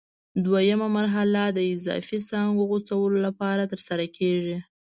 دوه یمه مرحله د اضافي څانګو غوڅولو لپاره ترسره کېږي.